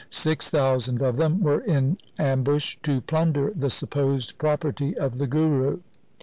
Six thousand of them were in ambush to plundeF the supposed property of the Guru.